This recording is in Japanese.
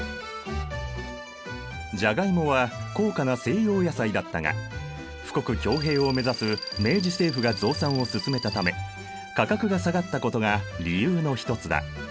じゃがいもは高価な西洋野菜だったが富国強兵を目指す明治政府が増産を進めたため価格が下がったことが理由の一つだ。